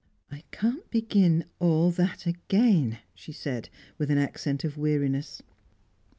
"I can't begin all that again," she said, with an accent of weariness.